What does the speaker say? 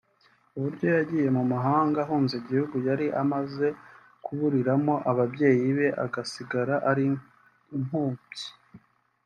uburyo yagiye mu mahanga ahunze igihugu yari amaze kuburiramo ababyeyi be agasigara ari impubyi